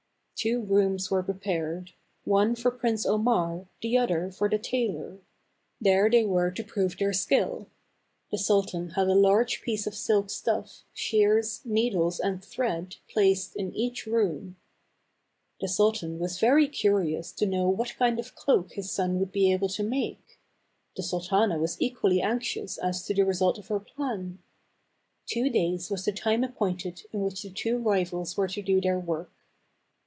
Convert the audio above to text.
Two rooms were prepared; one for Prince Omar, the other for the tailor ; there they were to prove their skill. The sultan had a large piece of silk stuff, shears, needles and thread placed in each room. The sultan was very curious to know what kind of cloak his son would be able to make ; THE CAB AVAN. 211 the sultana was equally anxious as to the result of her plan. Two days was the time appointed in which the two rivals were to do their work.